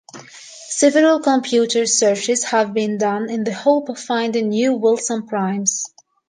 Several computer searches have been done in the hope of finding new Wilson primes.